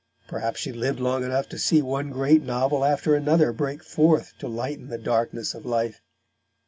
Perhaps she lived long enough to see one great novel after another break forth to lighten the darkness of life.